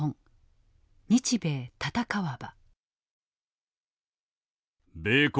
「日米戦わば」。